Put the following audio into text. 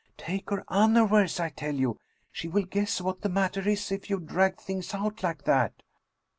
" Take her unawares, I tell you ! She will guess what the matter is if you drag things out like that."